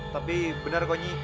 tapi benar konyi